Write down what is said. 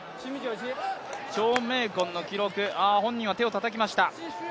張溟鯤の記録、本人は手をたたきました。